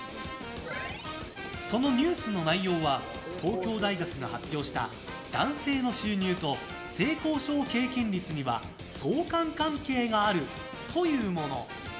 そのニュースの内容は東京大学が発表した男性の収入と性交渉経験率には相関関係があるというもの。